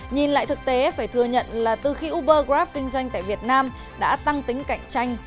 nhìn lại thực tế phải thừa nhận là từ khi uber grab kinh doanh tại việt nam đã tăng tính cạnh tranh